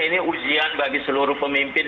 ini ujian bagi seluruh pemimpin